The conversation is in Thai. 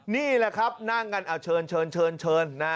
นี่แหละครับนั่งกันเชิญ